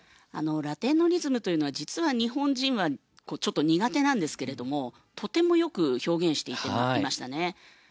ラテンのリズムというのは実は日本人はちょっと苦手なんですけどもとてもよく表現していました。